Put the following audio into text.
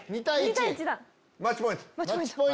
２対１だ。